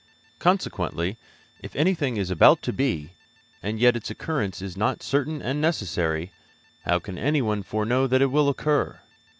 Consequently, if anything is about to be, and yet its occurrence is not certain and necessary, how can anyone foreknow that it will occur?